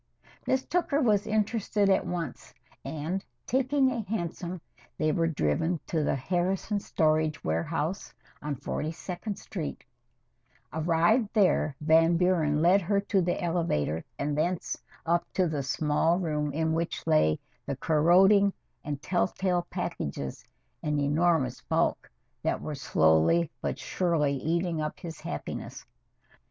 Miss Tooker was interested at once, and, taking a hansom, they were driven to the Harrison Storage Warehouse on Forty second Street Arrived there, Van Buren led her to the elevator and thence up to the small room in which lay the corroding and tell tale packages an enormous bulk that were slowly but surely eating up his happiness.